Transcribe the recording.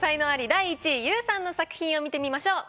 第１位ＹＯＵさんの作品を見てみましょう。